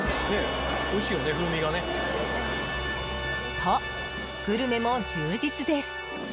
と、グルメも充実です。